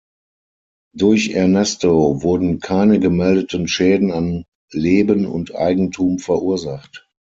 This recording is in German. Durch Ernesto wurden keine gemeldeten Schäden an Leben und Eigentum verursacht.